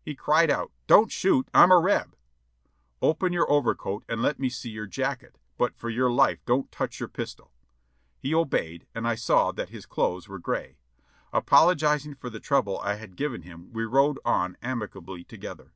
He cried out, "Don't shoot, I'm a Reb!" "Open your overcoat and let me see your jacket; but for your life don't touch your pistol." He obeyed, and I saw that his clothes were gray. Apologizing for the trouble I had given him we rode on amicably together.